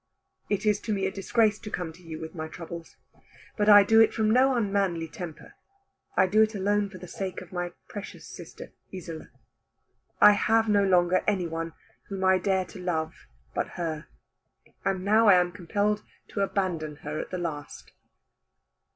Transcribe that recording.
"It is to me a disgrace to come to you with my troubles. But I do it from no unmanly temper. I do it alone for the sake of my precious sister Isola. I have no longer any one whom I dare to love but her, and now I am compelled to abandon her at the last."